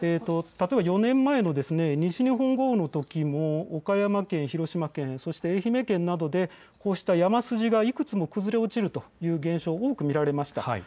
４年前の西日本豪雨のときも岡山県、広島県、愛媛県などでこうして山筋がいくつも崩れ落ちるという現象が多く見られました。